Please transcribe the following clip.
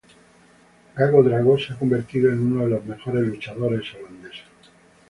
Gago Drago se ha convertido en uno de los mejores luchadores holandeses.